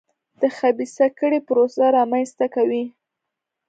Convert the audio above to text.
د خبیثه کړۍ پروسه رامنځته کوي.